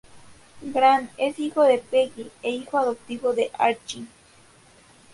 Grant es el hijo de Peggy e hijo adoptivo de Archie.